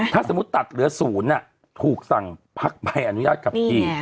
ถ้าสมมุติตัดเหลือ๐เนี่ยถูกสั่งพักไปอนุญาตกลับที